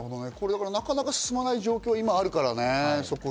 なかなか進まない状況が今あるからね。